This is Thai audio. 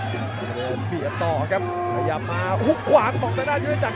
เข้ามาเดินเบียบต่อครับพยายามมาหุบขวางของตะด้านยุติจักร